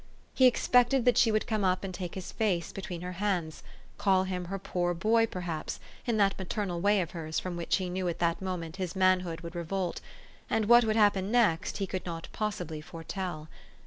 He expected that she would come up and take his face between her hands ; call him her poor boy per haps, in that maternal way of hers from which he knew at that moment his manhood would revolt ; and what would happen next he could not possibly foretell.